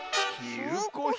きうこひ！